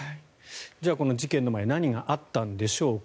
じゃあこの事件の前何があったんでしょうか。